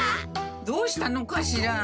どうしたのかしら？